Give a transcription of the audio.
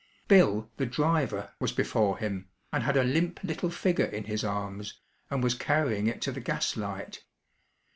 Bill, the driver, was before him, and had a limp little figure in his arms, and was carrying it to the gaslight.